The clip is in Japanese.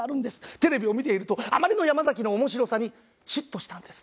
テレビを見ているとあまりの山崎の面白さに嫉妬したんです。